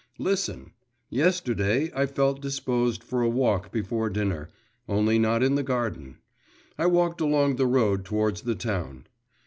Listen! Yesterday I felt disposed for a walk before dinner only not in the garden; I walked along the road towards the town.